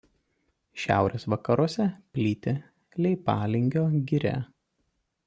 Šiaurės vakaruose plyti Leipalingio giria.